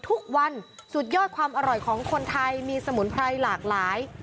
ทุกวันสุดยอดความอร่อยของคนไทยมีสมุนไพรหลากหลาย